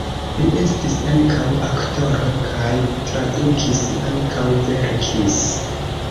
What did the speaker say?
Li estis ankaŭ aktoro kaj tradukis, ankaŭ verkis.